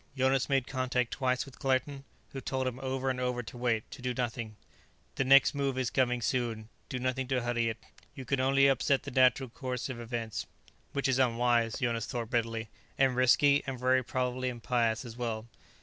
Jonas made contact twice with Claerten, who told him over and over to wait, to do nothing: "The next move is coming soon; do nothing to hurry it. You can only upset the natural course of events." "Which is unwise," Jonas thought bitterly, "and risky, and very probably impious as well."